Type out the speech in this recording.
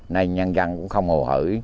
này nhân dân cũng không hồ hỡi